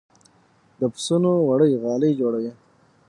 د پسونو وړۍ غالۍ جوړوي